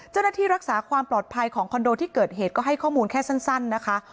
เจ้าหน้าที่รักษาความปลอดภัยของคอนโดที่เกิดเหตุก็ให้ข้อมูลแค่สั้นนะคะ